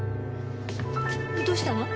どうしたの？